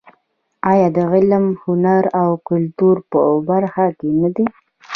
آیا د علم، هنر او کلتور په برخه کې نه دی؟